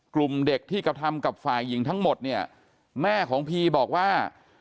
เด็กที่กระทำกับฝ่ายหญิงทั้งหมดเนี่ยแม่ของพีบอกว่า